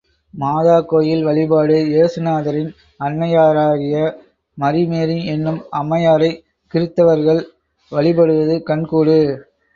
மாதா கோயில் வழிபாடு ஏசுநாதரின் அன்னையாராகிய மரி மேரி என்னும் அம்மையாரைக் கிறித்தவர்கள் வழிபடுவது கண்கூடு.